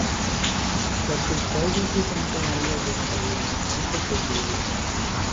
La skulptaĵo pri Sankta Maria venis el la malnova preĝejo.